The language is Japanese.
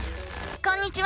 こんにちは！